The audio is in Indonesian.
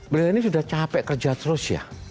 beliau ini sudah capek kerja terus ya